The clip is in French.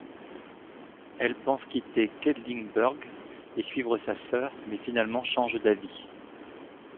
Elle pense quitter Quedlinburg et suivre sa sœur, mais finalement change d'avis.